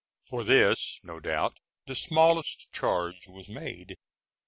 For this, no doubt, the smallest charge was made.